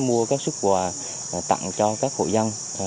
để mua các sức quà tặng cho các hội dân